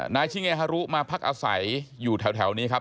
ชิเงฮารุมาพักอาศัยอยู่แถวนี้ครับ